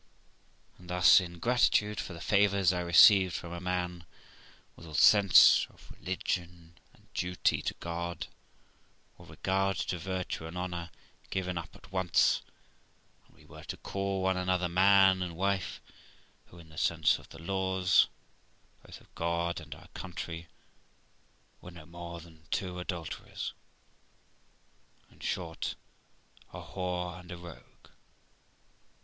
And thuj, in gratitude for the favours I received from a man, was all sense of religion and duty to God, all regard to virtue and honour, given up at once, and we were to call one another man and wife, who, in the sense of the laws both of God and our country, were no more than two adulterers ; in short, a whore and a rogue.